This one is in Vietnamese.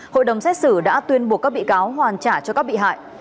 hội đồng xét xử đã tuyên buộc các bị cáo hoàn trả cho các bị hại